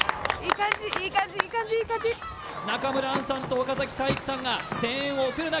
中村アンさんと岡崎体育さんが声援を送る中